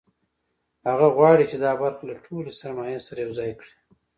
هغه غواړي چې دا برخه له ټولې سرمایې سره یوځای کړي